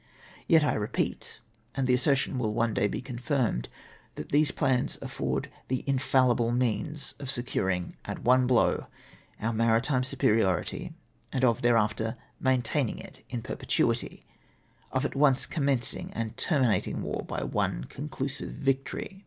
Yet I repeat — and the assertion will one day be confirmed — that these plans afford the infalhble means of seeming at one blow our maritune superiority and of thereafter maintaining it in perpetuity — of at once commencing and terminating war by one conclusive victory.